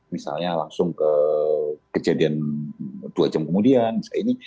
misalnya langsung ke kejadian dua jam kemudian misalnya ini